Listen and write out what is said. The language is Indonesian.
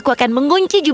kau akan menangkapku fluff